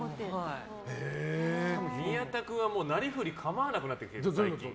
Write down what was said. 宮田君はなりふり構わなくなってきてる最近。